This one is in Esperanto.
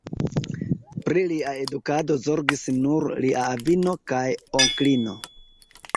Pri lia edukado zorgis nur lia avino kaj onklino.